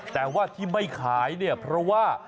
แต่ว่าที่ไม่ขายเนี่ยเพราะว่า